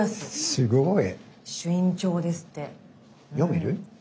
すごいね。